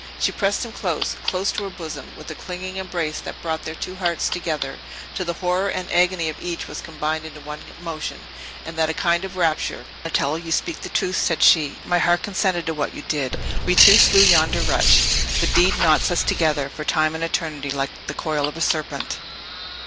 She pressed him close, close to her bosom, with a clinging embrace that brought their two hearts together, till the horror and agony of each was combined into one emotion, and that a kind of rapture. "Yes, Donatello, you speak the truth!" said she; "my heart consented to what you did. We two slew yonder wretch. The deed knots us together, for time and eternity, like the coil of a serpent!"